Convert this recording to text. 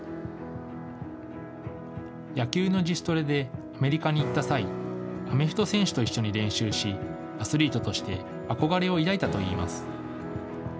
野球の自主トレでアメリカに行った際アメフト選手と一緒に練習しアスリートとして憧れを抱いたといいます。